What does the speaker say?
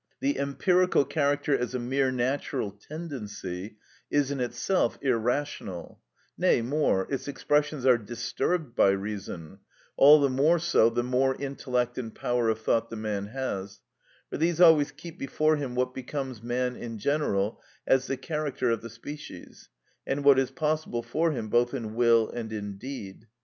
The empirical character, as a mere natural tendency, is in itself irrational; nay, more, its expressions are disturbed by reason, all the more so the more intellect and power of thought the man has; for these always keep before him what becomes man in general as the character of the species, and what is possible for him both in will and in deed.